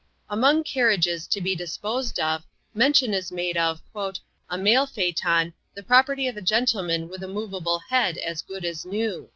Among carriages to be disposed of, mention is made of "a mail phaeton, the property of a gentleman with a moveable head as good as new."